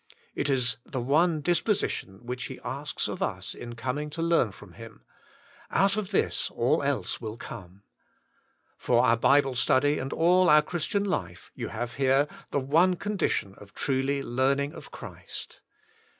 It is the one dis position which He asks of us in coming to learn from Him: out of this all else will come. For our Bible study and all our Christian life you have here the one condition of truly learning of Christ.